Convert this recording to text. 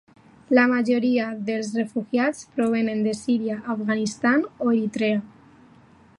La majoria dels refugiats provenen de Síria, Afganistan o Eritrea.